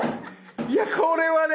いやこれはね